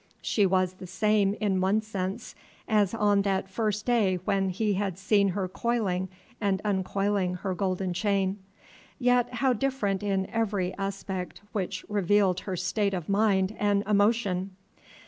She was the same in one sense as on that first day when he had seen her coiling and uncoiling her golden chain; yet how different in every aspect which revealed her state of mind and emotion!